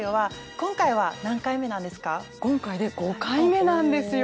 今回で５回目なんですよ！